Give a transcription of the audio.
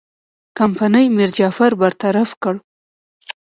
کمپنۍ میرجعفر برطرف کړ.